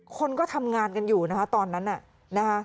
คนก็ทำงานกันอยู่นะคะตอนนั้นน่ะนะคะ